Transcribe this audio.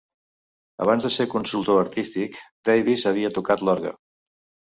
Abans de ser consultor artístic, Davis havia tocat l'orgue.